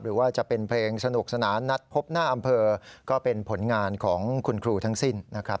หรือว่าจะเป็นเพลงสนุกสนานนัดพบหน้าอำเภอก็เป็นผลงานของคุณครูทั้งสิ้นนะครับ